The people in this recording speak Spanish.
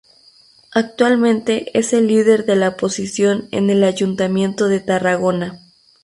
Actualmente es el líder de la oposición en el Ayuntamiento de Tarragona.